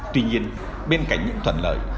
tuy nhiên bên cạnh những thuận lợi